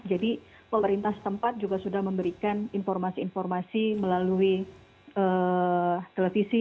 jadi pemerintah setempat juga sudah memberikan informasi informasi melalui televisi